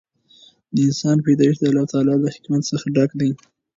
د انسان پیدایښت د الله تعالی له حکمت څخه ډک دی.